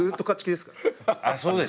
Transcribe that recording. あっそうですか。